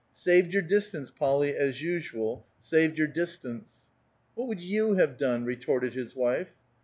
"Saved your distance, Polly, as usual; saved your distance." "What would you have done?" retorted his wife.